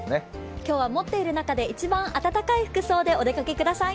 今日は持っている中で一番暖かい服装でお出かけください。